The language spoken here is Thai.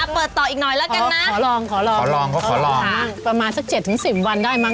อ่ะเปิดต่ออีกหน่อยละกันนะ